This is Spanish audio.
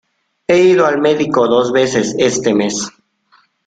He ido al médico dos veces este mes.